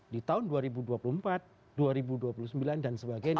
di tahun dua ribu dua puluh empat dua ribu dua puluh sembilan dan sebagainya